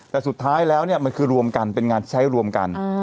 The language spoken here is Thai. แต่สุดท้ายแล้วเนี่ยมันคือรวมกันเป็นงานที่ใช้รวมกัน